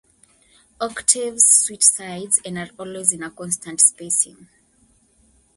Octaves switch sides and are always in a constant spacing.